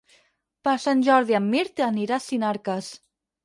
Per Sant Jordi en Mirt anirà a Sinarques.